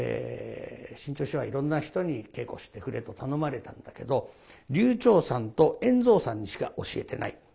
志ん朝師匠はいろんな人に稽古をしてくれと頼まれたんだけど柳朝さんと圓蔵さんにしか教えてない。